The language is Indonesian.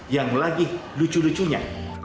yang lagi lucu lucunya